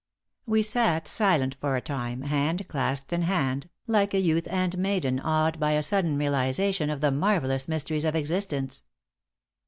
We sat silent for a time, hand clasped in hand, like a youth and maiden awed by a sudden realization of the marvelous mysteries of existence.